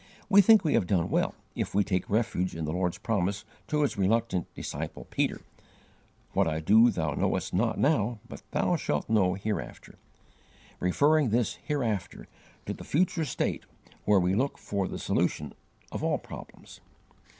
We think we have done well if we take refuge in the Lord's promise to his reluctant disciple Peter, "What I do thou knowest not now, but thou shalt know hereafter," referring this 'hereafter' to the future state where we look for the solution of all problems.